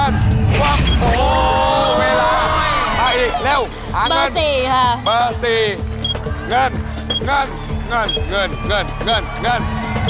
เงินน่าเงิน